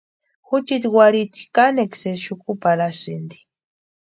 Juchiti warhiti kanekwa sésï xukuparhasïnti.